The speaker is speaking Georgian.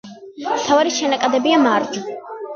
მთავარი შენაკადებია: მარჯვ.